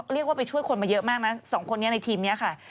เรียกว่าไปช่วยคนมาเยอะมากนะสองคนนี้ในทีมนี้ค่ะ